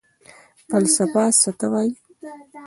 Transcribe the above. فلسفه څه ته وايي؟